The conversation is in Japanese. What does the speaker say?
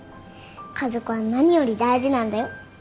家族は何より大事なんだよ。